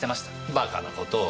馬鹿な事を。